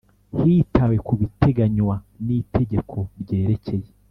Hitawe ku biteganywa n itegeko ryerekeye